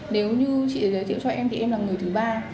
nếu như chị giới thiệu cho em thì em là người thứ ba